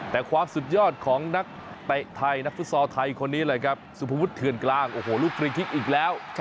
แต่ความสุดยอดของนักเตะไทยนักฟุตสอไทยคนนี้สุภพุทธเทือนกลางลูกฟรีคลิกอีกแล้ว